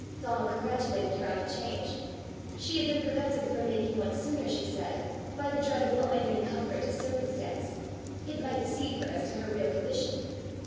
Donal congratulated her on the change. She had been prevented from making one sooner, she said, by the dread of owing any comfort to circumstance: it might deceive her as to her real condition!